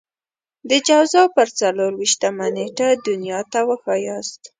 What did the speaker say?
د جوزا پر څلور وېشتمه نېټه دنيا ته وښاياست.